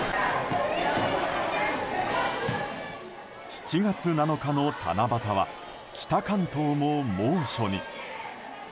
７月７日の七夕は北関東も猛暑に。